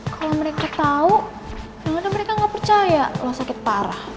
kalau mereka tau yang ada mereka gak percaya lo sakit parah